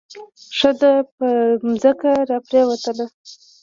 ښځه په ځمکه را پریوتله.